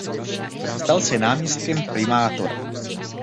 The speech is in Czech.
Stal se náměstkem primátora.